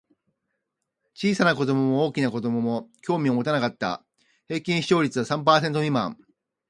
小さな子供も大きな子供も興味を持たなかった。平均視聴率は三パーセント未満。